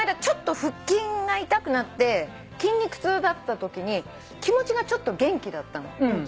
ちょっと腹筋が痛くなって筋肉痛だったときに気持ちがちょっと元気だったの。